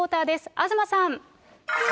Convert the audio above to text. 東さん。